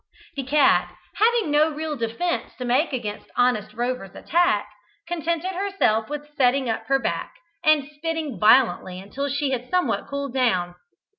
The cat, having no real defence to make against honest Rover's attack, contented herself with setting up her back, and spitting violently until she had somewhat cooled down.